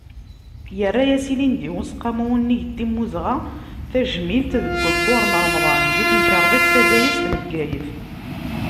Yerra-as ilindi Useqqamu unnig n timmuzɣa tajmilt deg waggur n Remḍan di temkerḍit tazayezt n Bgayet.